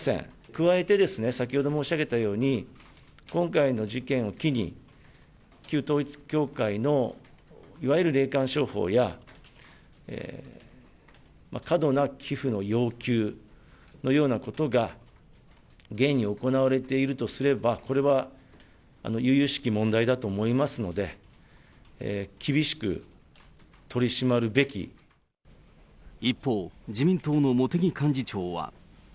加えて、先ほど申し上げたように、今回の事件を機に、旧統一教会のいわゆる霊感商法や、過度な寄付の要求のようなことが現に行われているとすれば、それはゆゆしき問題だと思いますので、一方、自民党の茂木幹事長は。